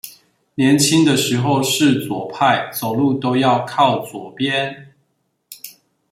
年輕的時候是左派，走路都要靠左邊